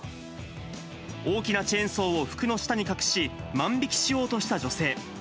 大きなチェーンソーを服の下に隠し、万引きしようとした女性。